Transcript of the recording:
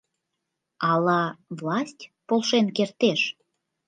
Ала власть полшен кертеш?